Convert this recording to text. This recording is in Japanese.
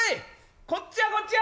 こっちやこっちや！